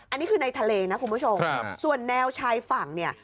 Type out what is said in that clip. อันนี้คือในทะเลนะคุณผู้ชมส่วนแนวชายฝั่งเนี่ย